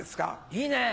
いいね。